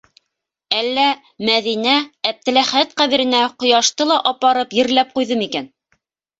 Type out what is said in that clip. Әллә Мәҙинә Әптеләхәт ҡәберенә ҡояшты ла апарып ерләп ҡуйҙы микән?